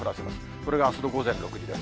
これがあすの午前６時です。